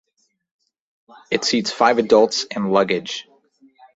It seats five adults and luggage.